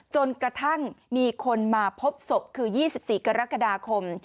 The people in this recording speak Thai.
จนกระทั่งมีคนมาพบศพคือ๒๔กรกฎาคม